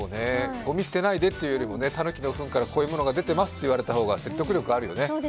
ごみ捨てないでというよりね、たぬきのふんからこういうものが出てるって言われる方が、説得力あるよね。